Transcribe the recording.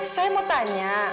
saya mau tanya